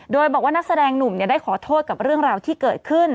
โดยบอกว่านักแสดงหนุ่มได้ขอโทษกับเรื่องราวที่เกิดขึ้น